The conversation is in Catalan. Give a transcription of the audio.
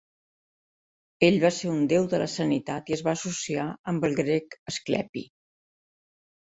Ell va ser un Déu de la Sanitat i es va associar amb el grec Asclepi.